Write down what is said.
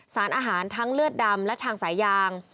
สารอาหารทั้งเลือดดำและทางสายยาง